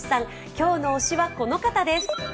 今日の推しはこの方です。